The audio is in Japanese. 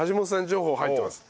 情報入ってます。